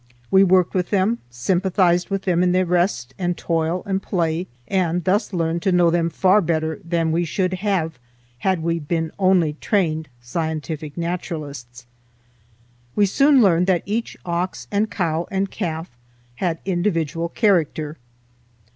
We worked with them, sympathized with them in their rest and toil and play, and thus learned to know them far better than we should had we been only trained scientific naturalists. We soon learned that each ox and cow and calf had individual character.